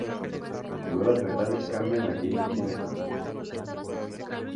Nuevas verdades cambian a aquellos a quienes ama.